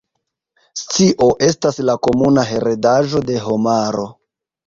Scio estas la komuna heredaĵo de homaro.